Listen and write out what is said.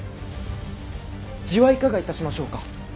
地はいかがいたしましょうか。